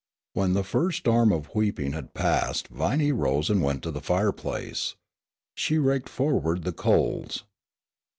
When the first storm of weeping had passed Viney rose and went to the fireplace. She raked forward the coals.